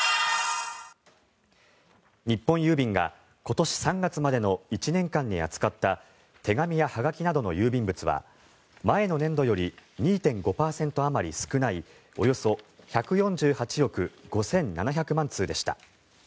日本郵便が今年３月までの１年間に扱った手紙やはがきなどの郵便物は前の年度より２．５％あまり少ないおよそ１４８億５７００万通でした。